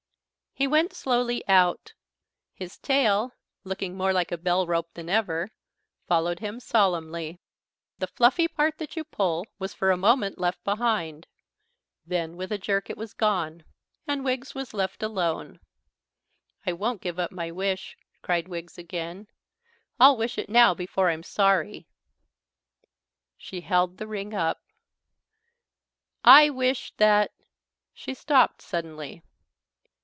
He went slowly out. His tail (looking more like a bell rope than ever) followed him solemnly. The fluffy part that you pull was for a moment left behind; then with a jerk it was gone, and Wiggs was left alone. "I won't give up my wish," cried Wiggs again. "I'll wish it now before I'm sorry." She held the ring up. "I wish that " She stopped suddenly.